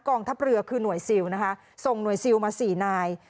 ทัพเรือคือหน่วยซิลนะคะส่งหน่วยซิลมาสี่นาย